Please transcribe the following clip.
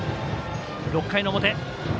６回の表。